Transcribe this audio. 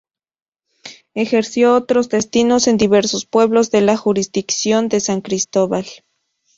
Ejerció otros destinos en diversos pueblos de la jurisdicción de San Cristóbal".